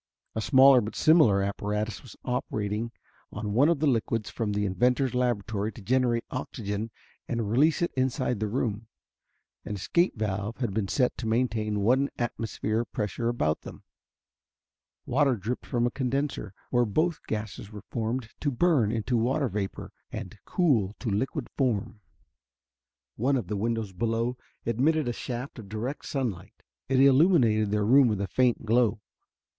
A smaller but similar apparatus was operating on one of the liquids from the inventor's laboratory to generate oxygen and release it inside the room. An escape valve had been set to maintain one atmosphere of pressure about them. Water dripped from a condenser where both gases were formed to burn into water vapor and cool to liquid form. One of the windows below admitted a shaft of direct sunlight; it illumined their room with a faint glow.